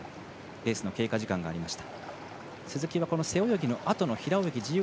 レースの経過時間がありました。